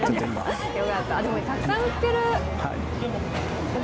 たくさん売ってる！